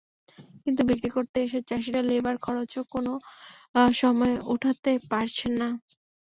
কিন্তু বিক্রি করতে এসে চাষিরা লেবার খরচও কোনো সময় ওঠাতে পারছেন না।